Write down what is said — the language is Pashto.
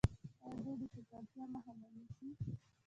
آیا دوی د ککړتیا مخه نه نیسي؟